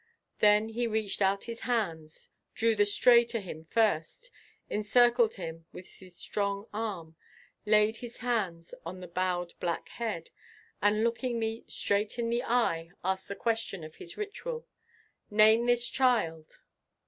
Then he reached out his hands, drew the Stray to him first, encircled him with his strong arm, laid his hands on the bowed black head, and looking me straight in the eye asked the question of his ritual: "Name this child."